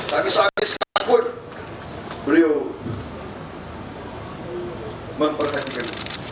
tapi sampai sekarang pun beliau memperkecilkan